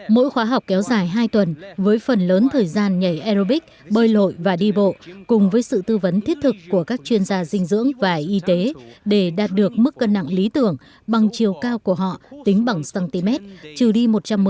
mỗi khóa học kéo dài hai tuần với phần lớn thời gian nhảy aerobic bơi lội và đi bộ cùng với sự tư vấn thiết thực của các chuyên gia dinh dưỡng và y tế để đạt được mức cân nặng lý tưởng bằng chiều cao của họ tính bằng cm trừ đi một trăm một mươi